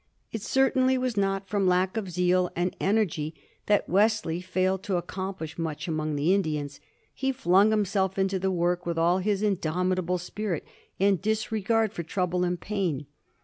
It certainly was not from lack of zeal and energy that Wes ley failed to accomplish much among the Indians. He flung himself into the work with all his indomitable spirit and disregard for trouble and pain.